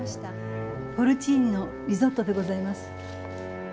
ポルチーニのリゾットでございます。